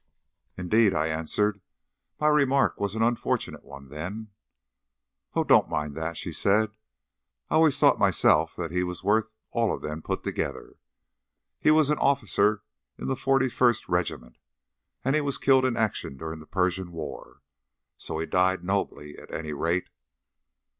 "Indeed," I answered; "my remark was an unfortunate one, then." "Oh, don't mind that," she said; "I always thought myself that he was worth all of them put together. He was an officer in the Forty first Regiment, and he was killed in action during the Persian War so he died nobly, at any rate."